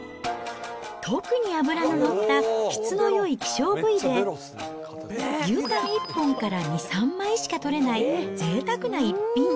特に脂の乗った質のよい希少部位で、牛タン１本から２、３枚しか取れない、ぜいたくな逸品。